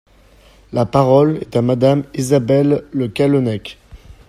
La parole est à Madame Isabelle Le Callennec.